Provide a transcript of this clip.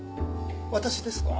私ですか？